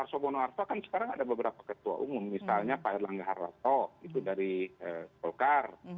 pak suharto monoatpa kan sekarang ada beberapa ketua umum misalnya pak erlangga harlato itu dari polkar